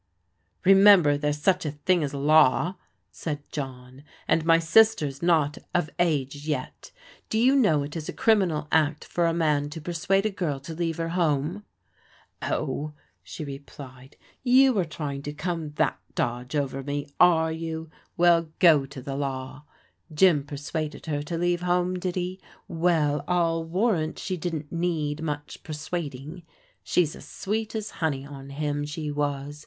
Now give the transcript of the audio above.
" Remember there's such a thing as law," said John, "aAi my sister's not of age yet. Do you know it is a criminal act for a man to persuade a girl to leave her home?" Oh/' she replied, "yon are trying to come iVv^X Ao^'t 140 PRODIGAL DAUGHTEES over me, are you ? Well, go to law. Jim persuaded her to leave home, did he ? Well, I'll warrant she didn't need much persuading. She was as sweet as honey on him, she was.